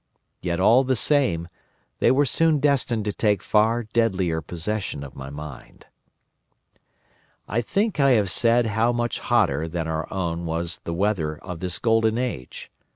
Yet all the same, they were soon destined to take far deadlier possession of my mind. "I think I have said how much hotter than our own was the weather of this Golden Age.